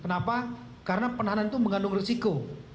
kenapa karena penahanan itu mengandung risiko